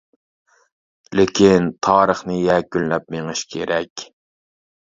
لېكىن تارىخنى يەكۈنلەپ مېڭىش كېرەك.